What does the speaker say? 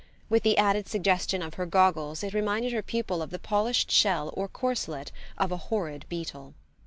With the added suggestion of her goggles it reminded her pupil of the polished shell or corslet of a horrid beetle.